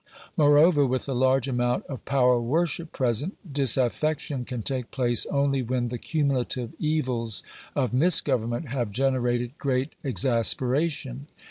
Moreover, with a large amount of power worship present, dis affection can take place only when the cumulative evils of mis government have generated great exasperation.